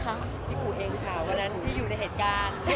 พี่ปู่เองค่ะวันนั้นที่อยู่ในเหตุการณ์